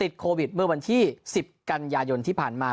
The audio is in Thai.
โควิดเมื่อวันที่๑๐กันยายนที่ผ่านมา